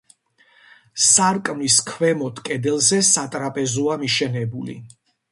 სარკმლის ქვემოთ კედელზე სატრაპეზოა მიშენებული.